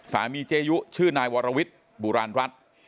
สามีเจยุชื่อนายวารวุฒิบุราณรัฐ